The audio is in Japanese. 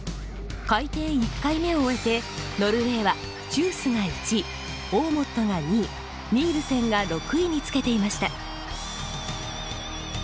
回転１回目を終えてノルウェーはチュースが１位オーモットが２位ニールセンが６位につけていました。